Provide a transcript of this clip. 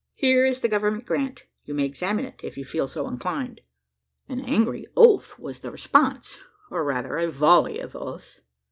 Here is the government grant you may examine it, if you feel so inclined." An angry oath was the response, or rather a volley of oaths.